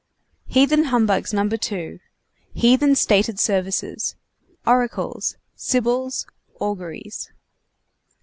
HEATHEN HUMBUGS NO. 2. HEATHEN STATED SERVICES. ORACLES. SIBYLS. AUGURIES.